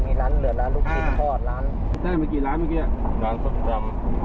มีร้านเรือร้านลูกชิ้นทอดร้านได้มากี่ร้านเมื่อกี้ร้านส้มตำ